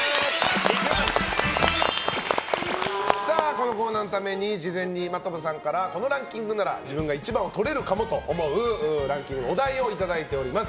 このコーナーのために事前に真飛さんからこのランキングなら自分が１番をとれるかもと思うランキングのお題をいただいております。